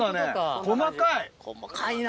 細かいな。